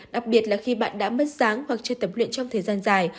đặc biệt là khi bạn đã mất sáng hoặc chưa tập luyện trong thời gian dài